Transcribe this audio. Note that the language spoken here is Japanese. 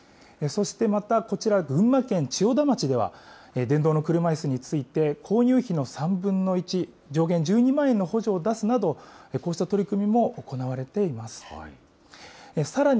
そしてまた、こちら群馬県千代田町では、電動の車いすについて、購入費の３分の１、上限１２万円の補助を出すなど、こうした取り組みも行われています。